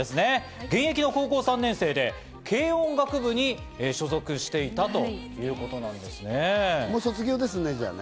まずは実はミカさん、現役の高校３年生で、軽音楽部に所属していたということなんですね。